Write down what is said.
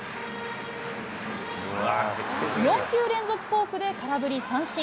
４球連続フォークで空振り三振。